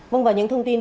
vâng và những thông tin